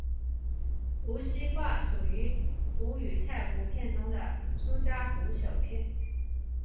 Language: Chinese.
无锡话属于吴语太湖片中的苏嘉湖小片。